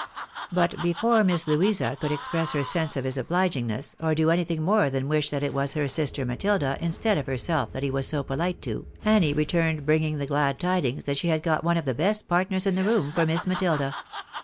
But before INIiss Louisa could express her sense of his obligingness, or do anything more than wish that it was her sister Matilda instead of herself that he was so polite to, Annie returned bringing the glad tidings that she had got one of the best partners in the room for Miss Matilda.